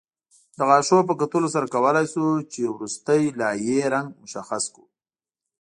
د غاښونو په کتلو سره کولای شو چې وروستۍ لایې رنګ مشخص کړو